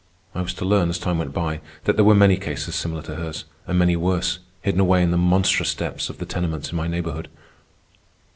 I was to learn, as time went by, that there were many cases similar to hers, and many worse, hidden away in the monstrous depths of the tenements in my neighborhood.